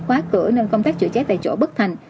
khóa cửa nên công tác chữa cháy tại chỗ bất thành